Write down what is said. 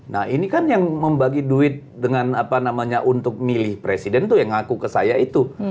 nah ini kan yang membagi duit dengan apa namanya untuk milih presiden itu yang ngaku ke saya itu